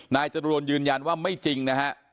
นายจรวนยืนยันว่าไม่จริงนะฮะ